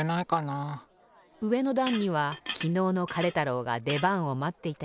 うえのだんにはきのうのカレ太郎がでばんをまっていたり。